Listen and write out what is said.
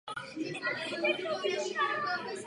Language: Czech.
V té době se ovšem již začala objevovat první zranění.